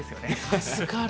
助かる。